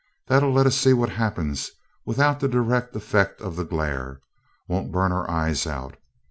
That'll let us see what happens, without the direct effect of the glare won't burn our eyes out.